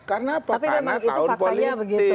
karena tahun politik